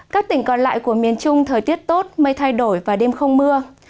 các tỉnh còn lại của miền trung thời tiết tốt mây thay đổi và đêm không mưa